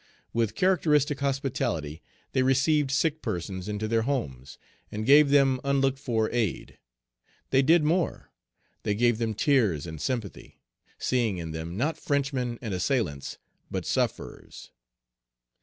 With characteristic hospitality, they received sick persons into their homes, and gave them unlooked for aid; they did more: they gave them tears and sympathy, seeing in Page 223 them not Frenchmen and assailants, but sufferers.